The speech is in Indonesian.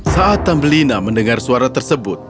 saat tambelina mendengar suara tersebut